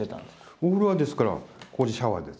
お風呂はですから、ここでシャワーです。